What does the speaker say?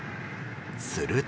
すると。